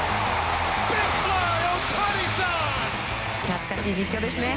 懐かしい実況ですね。